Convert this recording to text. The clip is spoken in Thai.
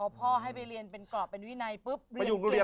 พ่อให้ไปเรียนเป็นกรอบเป็นวินัยปุ๊บเรียนเปลี่ยน